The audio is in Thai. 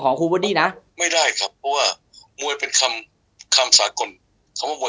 ครูเวดดี้นะไม่ได้ครับเพราะว่ามวยเป็นคำคำสากลคำว่ามวย